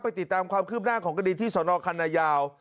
ไปติดตามความคืบหน้าของกระดิษฐ์ที่สนคัณะยาว